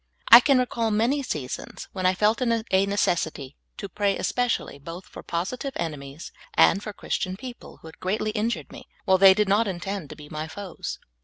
I can recall many seasons when I felt it a necessit}^ to pray espe cially both for positive enemies and for Christian peo ple, who had greatl}^ injured me, while they did not intend to be my foes.